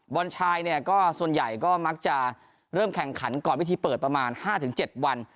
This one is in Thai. บอลชายเนี่ยก็ส่วนใหญ่ก็มักจะเริ่มแข่งขันก่อนวิธีเปิดประมาณ๕๗วัน